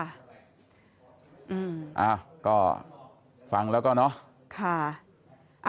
อ้าวก็ฟังแล้วก็เนาะ